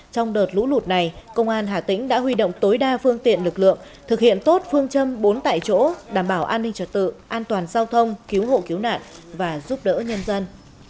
trong đợt lũ lụt này công an hà tĩnh đã huy động tối đa phương tiện lực lượng thực hiện tốt phương châm bốn tại chỗ đảm bảo an ninh trật tự an toàn giao thông cứu hộ cứu nạn và giúp đỡ nhân dân